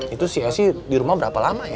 itu si esi di rumah berapa lama ya